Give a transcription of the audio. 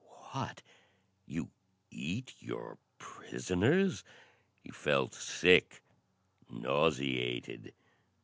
"What! You eat your prisoners?" He felt sick, nauseated.